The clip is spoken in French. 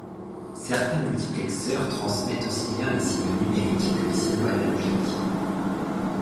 Certains multiplexeurs transmettent aussi bien les signaux numériques que les signaux analogiques.